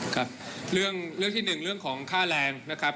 ครับเรื่องที่หนึ่งเรื่องของค่าแรงนะครับ